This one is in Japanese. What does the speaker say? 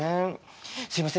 すみません